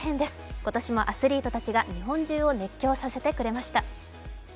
今年もアスリートたちが日本中を熱狂させてくれました。